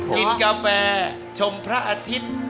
กินกาแฟชมพระอาทิตย์